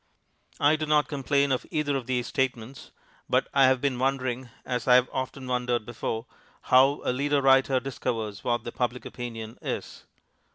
I do not complain of either of these statements, but I have been wondering, as I have often wondered before, how a leader writer discovers what the Public Opinion is.